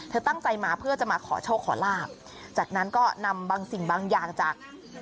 ตั้งใจมาเพื่อจะมาขอโชคขอลาบจากนั้นก็นำบางสิ่งบางอย่างจาก